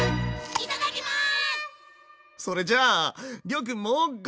いただきます！